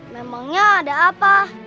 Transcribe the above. memangnya ada apa